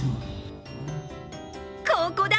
ここだ！